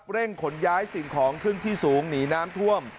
เร่งขนย้ายสิ่งของขึ้นที่สูงหนีน้ำท่วม